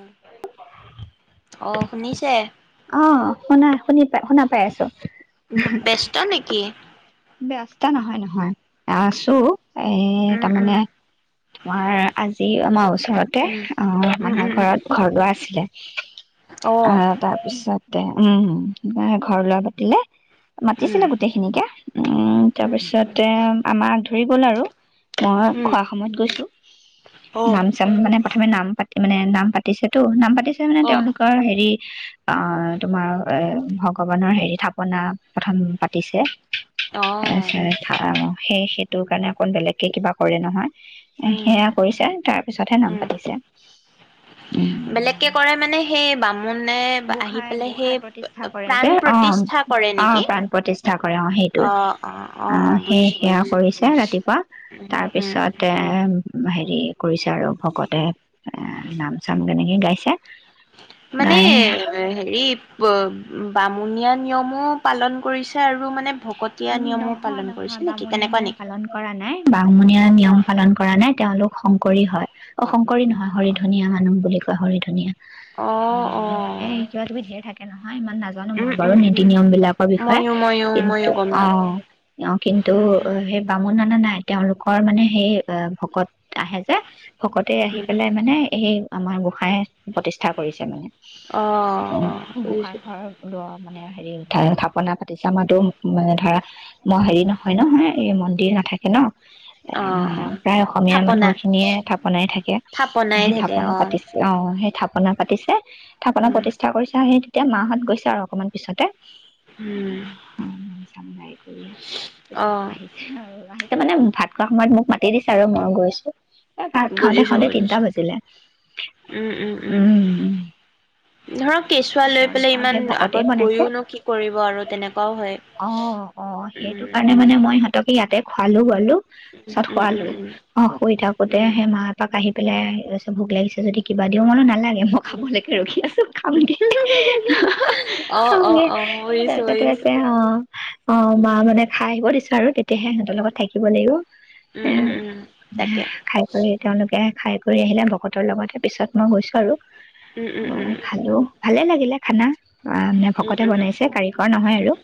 উ। অহ ', শুনিছে। অহ ', শুনা, শুনি পাই শুনা পাই আছো। ব ব্যস্ত নেকি? ব্যস্ত নহয় - নহয় আছো। এহ ', উম, উম, তাৰমানে তোমাৰ আজি আমাৰ ওচৰতে উম, অহ ', উম, মানুহৰ উম, উম, ঘৰত ঘৰ দোৱা আছিলে। উ [inaudible] অ', অহ ', তাৰপিছত। উম - উম ঘৰ লৰা পাতিলে। উম, মাতিছিলে গোটেইখিনিকে। উম', তাৰপিছতে আমাৰ হেৰি গল আৰু। মই উম, খোৱা সময়ত গৈছো। অ', নাম চাম মানে প্ৰথমে নাম পাতি। মানে নাম পাতিছেতো নাম ছে মানে অ', তেওঁলোকৰ হেৰি। অহ ', তোমাৰ এহ ', ভগৱানৰ হেৰি থাপনা প্ৰথম পাতিছে। আছ অ', খাৰ [unintelligible] সেই -সেইটোৰ কাৰণে অকণ বেলেগকে কিবা কৰে নহয়। এহ ', উম, সেয়া কৰিছে তাৰ পিছতহে নাম উম, পাতিছে। বেলেগকে কৰে মানে সেই বামু গোসাই - গোসাই প্ৰতিষ্ঠা কৰে, প্ৰাণ যে অহ প্ৰতিষ্ঠা ', কৰে - অহ নেকি? ', প্ৰাণ প্ৰতিষ্ঠা কৰে অহ ', সেইটোৱে, অ', অ', অ', আহ অ', ', সেই বুজিছোঁ, সেয়া বুজিছোঁ। কৰিছে ৰাতিপুৱা উম, তাৰ উম, উম, পিছতে এহ হেৰি কৰিছে আৰু ভকতে নাম চাম তেনেকৈ গাইছে মানে? গাই হেৰি বব, বামুণীয়া নিয়মো পালন কৰিছে আৰু। মানে ভকতীয়া উম ', নিয়মো নহয় পালন - কৰিছে নহয় নেকি বামুণীয়া তেনেকুৱা নিয়ম নেকি? পালন কৰা নাই - বামুণীয়া নিয়ম অ', পালন কৰা নাই তেওঁলোক শংকৰী হয় অহ ', শংকৰী নহয় হৰি ধনীয়া মানুহ বুলি কয়। গাহৰি ধুনীয়া। অ', মানে এহ অ'। ', কিবা কিবি ধেৰ থাকে। হয় ইমান নাজানো উম মই বাৰু উম নীতি উম নিয়ম বিলাকৰ বিষয়ে ময়ো ময়ো ময়ো গম নাপাওঁ অহ', - অহ',, কিন্তু উম অহ ', সেই বামু নানা নাই তেওঁলোকৰ মানে সেই ভকত আহে যে ভকতে আহি উম পেলাই মানে এই আমাৰ ব গোহাঁই প্ৰতিষ্ঠা কৰিছে মানে অ অ গোহাঁই ঘৰ ল মানে হেৰি উঠা থাপনা পাতিছে। আমাৰো মানে ধৰা ম হেৰি নহয় নহয় এই মন্দিৰ নাথাকে ন- এ অ আমাৰ অ প্ৰায় অসমীয়া মানুহ থাপনা খিনিয়ে থাপনাই থাকে, থাপনাই সেই থাকে থাপনা অ পাতিছে অ সেই থাপ- থাপনা পাতিছে থাপনা উম প্ৰতিষ্ঠা কৰিছা সেই এতিয়া মাহত গৈছে আৰু অকণমান পিছতে উম নাম চাম গাই কৰি অ পিছত আহিছে আৰু আহিছে মানে ভাত খোৱা সময়ত মোক মাতি দিছে আৰু মই গৈছো এ ভাত খাওঁতে বুজিছো খাওঁতে তিনিটা বুজিছো বাজিলে উম উ ধৰক কেঁচুৱা লৈ পেলাই ইমান ভকতেই আগত বনাইছে গৈও নো কি কৰিব আৰু তেনেকুৱাও হয় অ অ উম উম খালো বলো উম পিছত উম শোৱালো উম উম অ শুই থাকোতে উম। মা পাপা এপাক আহি পেলাই ভোক লাগিছে যদি কিবা দিও মই বোলো নালাগে মই খাবলৈকে ৰখি আছো খামগে অ অ অ বুজিছো তাৰপিছতে বুজিছো আছে অ অ মা উম মানে খাই বৈ আহিব দিছে আৰু তেতিয়াহে সিঁহতৰ লগত থাকিব লাগিব উম এ উম উম উ তাকে খাই কৰি তেওঁলোকে খাই বৈ আহিলে ভকতৰ লগতে পিছত মই গৈছো আৰু উম উম অ উম খালো ভালে লাগিলে খানা আহ মানে উম ভকতে উম বনাইছে কাৰিকৰ নহয় উম আৰু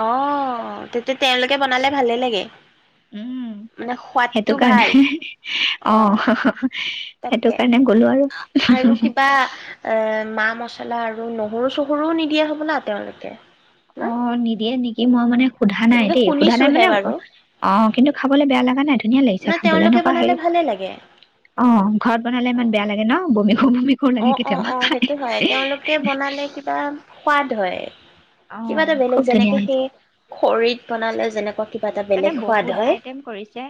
অ', তেতিয়া তেওঁলোকে বনালে ভালে লাগে উম মানে সেইটো সোৱাদটো ভাল। কাৰণে অ সেইটো তাতকে কাৰণে গ'লো আৰু আৰু কিবা এ মাহ মছলা আৰু নহৰু চহৰুও নিদিয়া হ'বলা তেওঁলোকে ন? অ নিদিয়ে নেকি মই মানে সোধা নাই তেনেকে দেই সোধা নাই শুনিছোহে মানে বাৰু অ কিন্তু খাবলৈ বেয়া লগা নাই ধুনীয়া ন লাগিছে খাবলে তেওঁলোকে এনেকুৱা বনালে হেৰি ভালে লাগে। অ ঘৰত বনালে ইমান বেয়া অ', লাগে ন কৰো বমি কৰো লাগে অ অ কেতিয়াবা অ খাই সেইটো হয় তেওঁলোকে বনালে কিবা সোৱাদ হয় অ কিবা এটা বেলেগ খুব ধুনীয়া যেনেকে হৈছে সেই খৰিত বনালে যেনেকুৱা কিবা এটা তাৰ মনে বেলেগ সোৱাদ বহুত হয়। আইটেম কৰিছে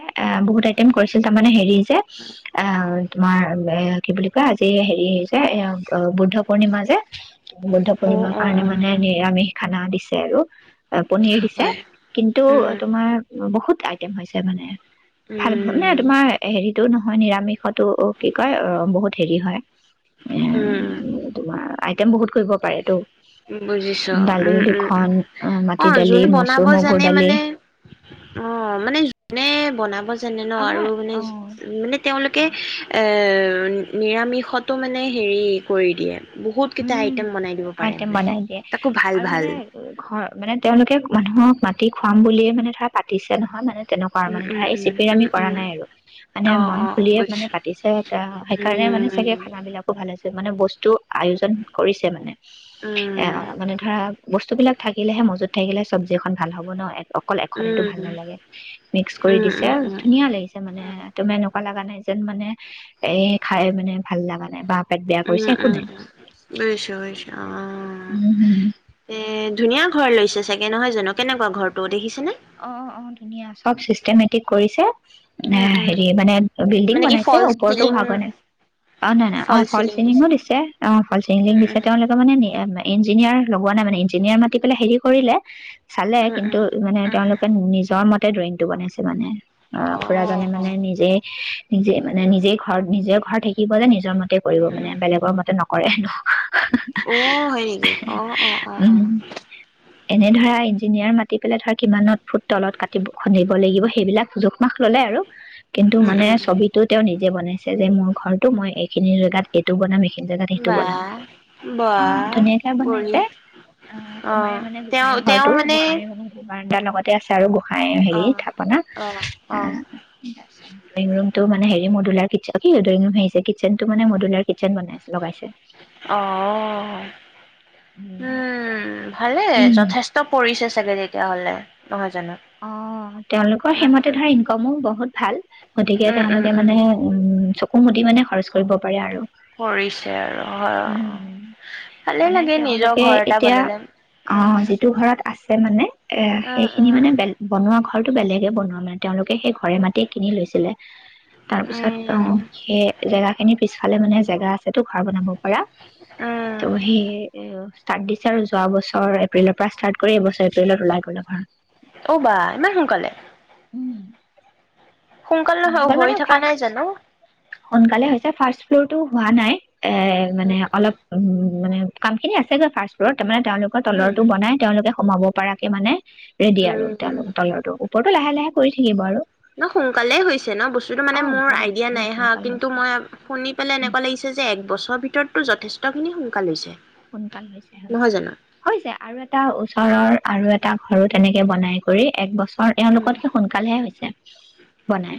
বহুত আইটেম কৰিছিল তাৰমানে হেৰি যে অ [unintelligible] অ তোমাৰ এ কি বুলি কয় আজি হেৰি হৈছে এ বুদ্ধ পূৰ্ণিমা যে বুদ্ধ অ', পূৰ্ণিমাৰ অ', কাৰণে মানে অ', এনে নিৰামিষ খানা দিছ ছে আৰু পনিৰ দিছে হয় কিন্তু উম, অ বহুত আইটেম হৈছে মানে ভাল ভাল নে উম, তোমাৰ হেৰিটো নহ হয় নিৰামিষতো কি কয় অ বহুত হেৰি হয় উম এ তোমাৰ আইটেম বহুত কৰিব পাৰেটো বুজিছ উম উম উম আহ, অ মাটি দালি যোন বনাব মচুৰ মগুৰ জানে দালি মানে অ মানে যোনে বনাব জনে ন আৰু নহয় মানে অ মানে তেওঁলোকে কোৱা এ [unintelligible] নিৰামিষতো মানে হেৰি কৰি দিয়ে বহুত কেইটা উম আইটম বনাই দিব [unintelligible] মানে বনাই দিয়ে তাকো ভাল আৰু ভাল মানে ঘৰ মানে তেওঁলোকে মানুহক মাতি খুৱাম বুলিয়ে মানে ধৰা পাতিছে নহয় মানে তেনেকুৱা উম মানে ধৰা উম এইচিপি উম আমি উম কৰা উম নাই আৰু মানে অ মন অ খুলিয়ে মানে বুজিছো পাতিছে এ সেইকাৰণে উম মানে উম উম উম চাগে খানা বিলাকো ভাল হৈছে মানে বস্তু আয়োজন কৰিছে মানে অ মানে ধৰা বস্তু বিলাক থাকিলেহে মজুত থাকিলে চব্জি খন ভাল হব ন এক অকল এখনেতো ভাল নালাগে মিক্স কৰি উম উম দিছে উম ধুনীয়া লাগিছে মানে তোমাৰ এনেকুৱা লগা নাই যেন মানে এ খাই মানে ভাল লগা নাই বা তাত বেয়া কৰিছে একো নাই বুইছো বুইছো অ উম হম এ ধুনীয়া ঘৰ লৈছে চাগে নহয় জানো কেনেকুৱা ঘৰটো দেখিছেনে অ অ ধুনীয়া চব চিষ্টেমেটিক কৰিছে এ উম উম হেৰি মানে বিল্ডিং মানে কি বনাইছে ফল ওপৰতো চিলিং হোৱাগৈ ন অ নাই নাই অ ফল চিলিংঙো দিছে অ ফল চিং উম দিছে তেওঁলোকে মানে ইঞ্জিনিয়াৰ লগোৱা নাই মানে ইঞ্জিনিয়াৰ মাতি পেলাই হেৰি কৰিলে চালে উম কিন্তু উম মানে উম উম উম তেওঁলোকে নিজৰ মতে তাতে ড্ৰয়িংটো বনাইছে মানে অ খুৰাজনে অ মানে নিজে নিজে মানে নিজে ঘৰত নিজে ঘৰ থাকিব যে নিজৰ মতে কৰিব মানে উম বেলেগ মতে নক কৰে ন অ হয় নেকি অ অ অ অ উম এনে ধৰা ইঞ্জিনিয়াৰ মাতি পেলাই ধৰা কিমানত ফুট তলত কাটিব খুন্দিব লাগিব সেইবিলাক জোখমাখ ল'লে আৰু কিন্তু উম মানে উম ছবিটো তেওঁ নিজ যে বনাইছে যে মোৰ ঘৰটো মই এইখিনি জেগাত এইটো বনাম এইখিনি জোগাত সেইটো বা বনাম বা অ ধুনীয়াকে বনাইছে বঢ়িয়া অ সোমাই মানে তেওঁ গোসাই তেওঁ ঘৰটো মানে গোসাই মানে বাৰাণ্ডা লগতে আছে আৰু বত খাই অ হেৰি থাপনা অ অ ত ড্ৰয়িং ৰুমটো মানে হেৰি মদলাৰ কি হৈছে কিচেনটো মানে মদুলাৰ কিচেন বনাইছে লগাইছে অ উম ভালে উম যথেষ্ট পৰিছে চাগে তেতিয়াহ'লে নহয় জানো অ তেওঁলোকৰ সেইমতে উম ধৰ ইনকমো বহুত ভাল গতিকে উম উম তেওঁলোকে মানে উম কুমটি মানে খৰচ কৰিব পাৰে আৰু কৰিছে আৰু হয় উম ভালেই মানে লাগে নিজৰ তেওঁলোকে ঘৰ এটা এতিয়া বনালে উম তাৰ মানে এ উম, সেইখিনি উম, মানে বলেগ মাৰ ঘৰটো বেলেগে বনোৱা মানে তেওঁলোকে সেই ঘৰে মাতেয় কিনি লৈছিলে তাৰ পিছত অ উম, সেই জেগা খিনি পিছালে মানে জেগা আছে টো খাৰ বনাব পাৰা উম। ত' সেই এ ষ্টাৰ্ট দিছে আৰু যোৱা বছৰ এপ্ৰিলৰ পৰা ষ্টাৰ্ট কৰি এইবছৰ এপ্ৰিল লাই গ'লো ঘৰত অ' বা ইমান সোনকালে উম সোনকাল নহয় হৈ মানে থকা নাই ফাৰ্ষ্ট জানো? সোনকালে ফাৰ্ষ্ট ফ্ল'টো হোৱা নাই এ উম, মানে উম, অলপ উ মানে কাম খিন আছেগৈ ফাষ্ট' ফ্লুৰত তাৰ মানে তেওঁলোকৰ তলৰো বনাই তেওঁলোকে কমাব পাৰাকে মানে ৰেডি উম, আৰু উম। তেওঁলোকৰ তলৰৰ ওপৰত টো লাহে লাহে কৰি থাকিব আৰু ন শুন সোনকালে হৈছে ন বস্তুতটো মানে অ মোৰ বহুত আইডিয়া বহুত নাই হা সোনকাল কিন্তু হৈছে মই শুনি পেলাই উম এনেকুৱা লাগিছে যে এক বছৰ ভিতৰতো যথেষ্ট ভিতৰ খিনি সোনকালৈছে সোনকাল হৈছে হৈছে হৈছে আৰু এটা ওচৰৰ আৰু এটা ঘৰো তেনেকে বনাই কৰি এক বছৰ উম, এওঁলোকতকে সোনকালেহে হৈছে বনাই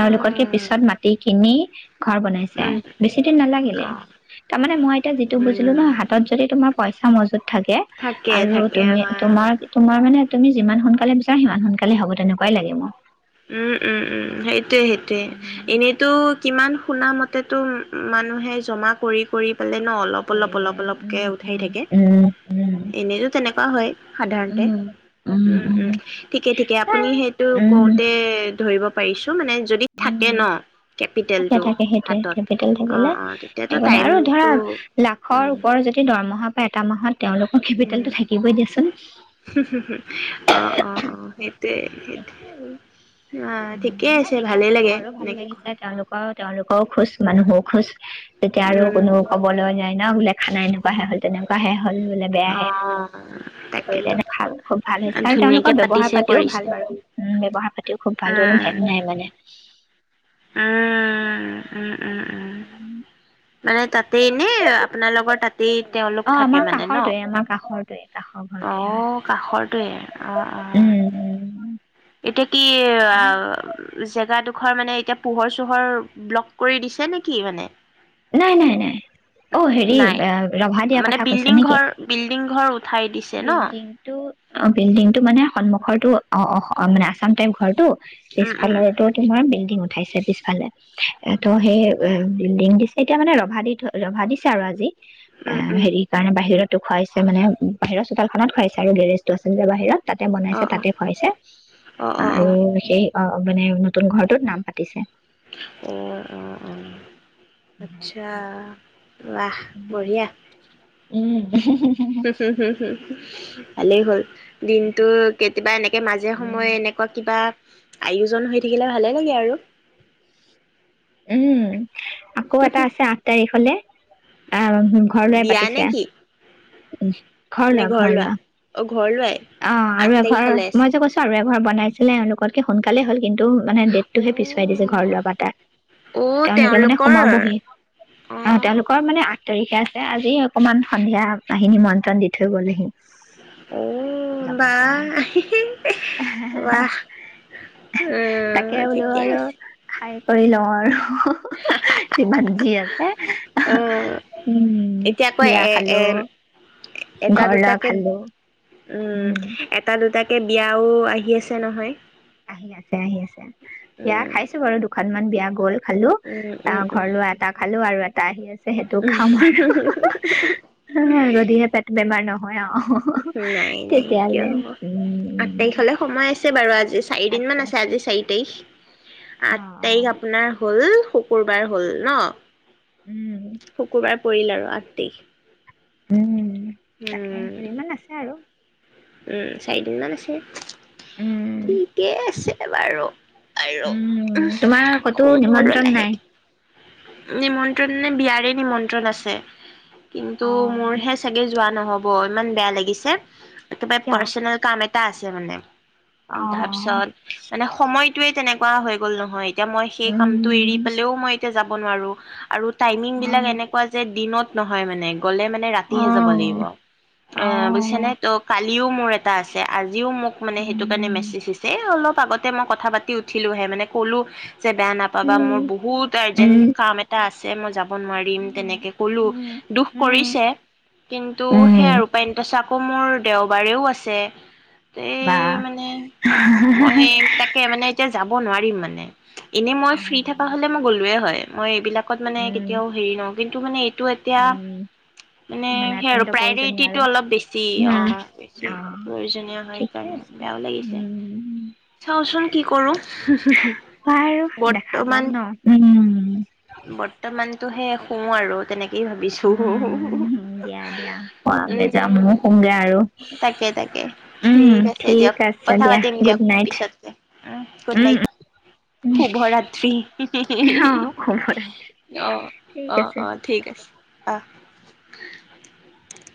এওঁলোকতকে পিছত মাটি কিনি উ ঘৰ বনাইছে উম, বেছি দিন নালাগিলে অ', তাৰমানানে মই এতিয়া যিটো বুজিলো ন উম। হাত যদি তোমাৰ পইচা মজুত থাকে থাকে, আৰু থাকে তুমি অ'। তোমাৰ তোমাৰ মানে তুমি যিমান সোনকালে বিচাৰা সিমান সোনকালে হব তেনেকুৱাই লাগে মোৰ। উম উম উম সেইটো। সেইয়ে সেইটোৱে উম এনেইতো কিমান শুনা মতেতো মানুহে জমা কৰি কৰি ন অলপ অপ কৰিলে অপ অলক উম উঠাই উম থাকে উম এনেতো তেনেকুৱা হয় উম সাধাৰণতে উম উ উম ঠিকে ঠিকে আপুনি সেইটো ক উম ধৰিব পাৰিছো উম থাকে কেপিটেলটো থাকে সেইটোৱে হাতত কেপিটেল থাকিলে অ', অ', তেতিয়াতো সেইকাৰণে আৰু টাইমটো ধৰা লাখৰ ওপৰ যদি দৰমহা এটা মাহত তেওঁলোকৰ উ কেপিটেলটো থাকিবই দিয়াচোন অ অ অ সেইটোৱে সেই সেইটোৱে আহ উম ঠিকেই নাই আছে ভাল ঠিকে আছে ঘৰো ভাল লাগিছে তেওঁলোকৰ তেওঁলোকৰও খোজ ম মইও খুচ তেতিয়া আৰু উম। কোনো ক'বলৈ নাই নওোলেখা নয় [unintelligible] নেকুৱাহে হ'ল তেনেকুৱাহে হ'ল বোলে বেয়াহে অ', কৰিলে তাকেতো খুব ভাল হৈছে আৰু ধুনীয়াকে তেওঁলোকৰ ব্যৱহাৰ পাতিছে পাতিও কৰিছে। ভাল বাৰু। উম ব্যৱহাৰ পাতিও খুব ভাল কোনো ভাৱ নাই মানে [unintelligible] উম উম উম উম মানে তাতেই এনে আপোনাৰ লগৰ তাতেই অ তেওঁলোক আমাৰ থাকে মানে ন? কাষৰটোৱে আমাৰ কাষৰটোৱে কাষৰ ঘৰটোৱে হয় আহ কাষৰটোৱে আহ উম উম আহ এতিয়া কি অ জেগাটো ঘৰ মানে এতিয়া পোহৰ চোহৰ ব্লক কৰি দিছে নেকি মানে? নাই নাই নাই অ হেৰি নাই ৰভা দিয়া মানে কথা কৈছা বিল্ডিং নেকি ঘৰ বিল্ডিং ঘৰ উঠাই দিছে ন? বিল্ডিংটো অ বিল্ডিংটো মানে সন্মুখৰটো অ অ অ মানে আছাম টাইপ ঘৰটো উম, উম, পিছফালৰ এইটো তোমাৰ বিল্ডিঙত খাইছে পিছফালে এ ত সেই বিল্ডিং দিছে এতিয়া মানে ৰভা দি থ ৰভা দিছে আৰু আজি অ উম, উম, উম, হেৰি কাৰনে বাহিৰত খুৱাইছে মানে উম বাহিৰত চোতখনত খুৱাইছে আৰু গেৰেজটো আছে যে বাহিৰত তাতে বনাইছে অ', অ', তাতে খুৱাইছে অ', অ', অ', আৰু সেই অ অ মানে নতুন ঘৰটোত নাম পাতিছে অ অ অ আচ্ছা ৱাহ বঢ়িয়া উম হ হু হু হুম ভালেই হ'ল দিনতটো কেতিয়াবা এনেকে মাজে উম সময়ে এনেকুৱা কিবা আয়োজন হৈ থাকিলে ভালে লাগে আৰু উম, আকৌ এটা আছে আঠ তাৰিখলে। আহ ঘৰ লোৱা বিয়া নে পাতিছে কি নি [unintelligible] ঘৰ লোৱা ঘৰ লোৱা, অ ঘৰ লোৱাই অ আৰু আঠ এঘৰ তাৰিখলে মই আছে যে কৈছো আৰু ঘৰ বনাইছিলে এওঁলোককে সোনকালে হ'ল কিন্তু মানে অ ডেটটোহে পিছুৱাই দিছে ঘৰ লৱা পা অ তেওঁলোকে মানে তেওঁলোকৰ সোমাবহি অ', তেওঁলোকৰ মানে আঠ তাৰিখ ঠিকে আছে আজি অকনমান সন্ধিয়া আহি নিমন্ত্ৰণ দি থৈ গ'লহি। ঔ, যাবৰ কাৰণে বাহ তাকে বোলো ঠিকেই আৰু আছে খায় কৰি লওঁ আৰু। যিমান যি আছে অ উম, এতিয়া আকৌ বিয়া এ এ খালো, এটা ঘৰ লোৱা দুটাকে খালো উম, এটা দুটাকে বিয়াও আহি আছে নহয় আহি আছে, আহি আছে বিয়া উম খাইছো বাৰু দুখন ইমান বিয়া গ'ল। খালো উম উম অ', ঘৰ লোৱা এটা খালো আৰু এ তা, আহি আছ সেইটো খাম আৰু উম হ, যদিহে পেট বেমাৰ নহয়, আউ নাই নাই কিয় তেতিয়ালে হ'ব আঠ উম তাৰিখলে সময় আছে বাৰু আজ আজি চায়িডিন মান আছে আজি চায়ি তায়িখ। অ আঠ অ তাৰিখ আপোনাৰ হ'ল শুকুৰবাৰ হ'ল ন? উম শুকুৰবাৰে পৰিল আৰু আগ [unintelligible] উম। তাকে কেইদিন মান আছে আৰু। উম, চাৰিদিন মান আছে। উম ঠিকেই আছে। এবাৰো আৰু উম তোমাৰ ক'তো শুম আৰু নিমন্ত্ৰণ নাই লাহেকে নিমন্ত্ৰণ বিয়াৰে নিমন্ত্ৰণ আছে। কিন্তু অ মোৰ হে চাগে যোৱা নহ'ব, ইমান বেয়া লাগিছে। কিয় পাৰ্চনেল কাম এ টা আছে মানে অ তাৰপিছত মানে সময় টোয়ে তেনেকুৱা হৈ গ'ল নহয় এতিয়া মই সেই কামটো এৰি উম পালেও মই তিয়া যাব নোৱাৰোঁ আৰু টাইমিং অ বিলাক এনেকুৱা যে দিনত নহয় মানে গ'লে মানে অ ৰাতিহে যাব লাগিব অ এ বুজিছে নে তোক। কালিও মোৰ এটা আছে আজি। আজি ও মোক মানে সেইটো কাৰণে উম মেছেজ দিছে এ অলপ আগতে মই কথা পাতি উঠিলোহে মানে কলো যে বেয়া নাপাবা উম মোৰ বহুত আৰ্জেন্ট উম কাম এটা আছে। যে মজা নোৱাৰিম উম তেনেকে কলো দুখ উম কৰিছে কিন্তু সে উম আৰু উপায়নো আকৌমোৰ দেওবাৰেও আছে এই বাহ মানে হো-হো মই তাকে মানে এতিয়া যাব নোৱাৰিম মানে এনে মই ফ্ৰী থকা হলে মই গ'লোয়ে হয় মই এইবিলাক মানে উম কেতিয়াও হেৰি ন কিন্তু মানে। টো এতিয়া উম মানে সেই আৰু অত্যন্ত প্ৰয়োজনীয় আৰু প্ৰায়ৰিটিটো অলপ বেছি অ উম, বেছি অ প্ৰয়োজনীয় হয় ঠিকে সকাৰণে আছে। বেয়াও লাগিছে চাওচোন কি কৰো হয় আৰু দেখা যাওক ন উ। হে শুও আৰু তেনেক উমম দিয়া দিয়া সৱাংগে যাম ম উম, হোঁমগে আৰু তাকে তাকে উম ঠিক আছে ঠিক দিয়ক আছে কথা দিয়া পাতিম গুড দিয়ক নাইট। পিছত উ গুড উম। নাইট উম শুভ ৰাত্ৰি হুহ হুহ অ শুব লাগে হুহ অ ঠিক অ আছে। অ ঠিক আছে আহ